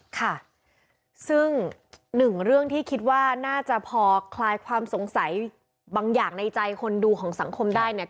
ค่ะซึ่งหนึ่งเรื่องที่คิดว่าน่าจะพอคลายความสงสัยบางอย่างในใจคนดูของสังคมได้เนี่ย